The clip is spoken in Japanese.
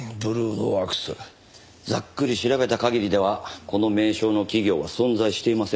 ざっくり調べた限りではこの名称の企業は存在していませんでした。